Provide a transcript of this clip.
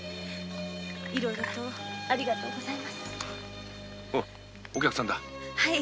いろいろとありがとうございますおいお客さんだ。